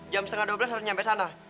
jam setengah dua belas harus nyampe sana